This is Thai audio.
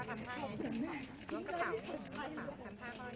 อ๋อใช่พี่สุดยอดขอไปได้เลย